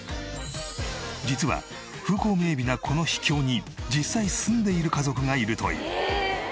実は風光明媚なこの秘境に実際住んでいる家族がいるという。